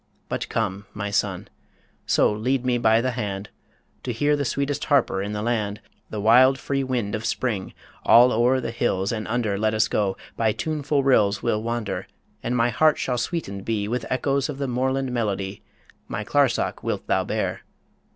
But come, my son so lead me by the hand To hear the sweetest harper in the land The wild, free wind of Spring; all o'er the hills And under, let us go, by tuneful rills We'll wander, and my heart shall sweetened be With echoes of the moorland melody My clarsach wilt thou bear."